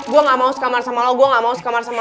gue gak mau sekamar sama lo